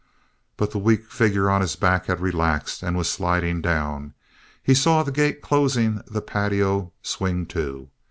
But the weak figure on his back had relaxed, and was sliding down. He saw the gate closing the patio swing to.